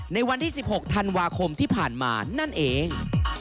ในวันที่๑๖ธันวาคมที่ผ่านมานั่นเอง